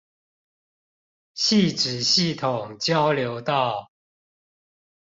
汐止系統交流道